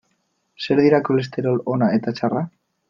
Zer dira kolesterol ona eta txarra?